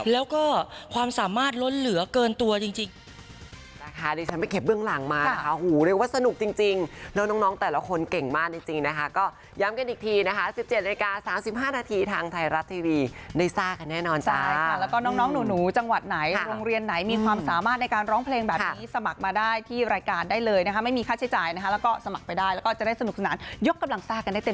แล้วก็ความสามารถล้นเหลือเกินตัวจริง